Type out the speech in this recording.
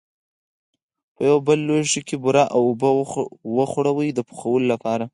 په یو بل لوښي کې بوره او اوبه وخوټوئ د پخولو لپاره.